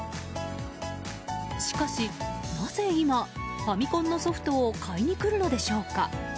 しかし、なぜ今ファミコンのソフトを買いに来るのでしょうか。